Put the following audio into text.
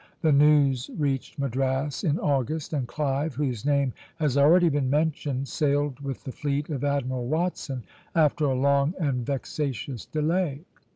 The news reached Madras in August, and Clive, whose name has already been mentioned, sailed with the fleet of Admiral Watson, after a long and vexatious delay.